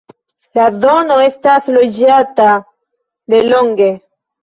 La zono estis loĝata delonge.